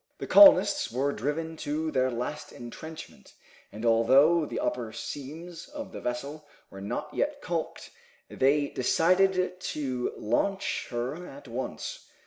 The colonists were driven to their last entrenchment, and although the upper seams of the vessel were not yet calked, they decided to launch her at once.